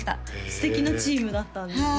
素敵なチームだったんですね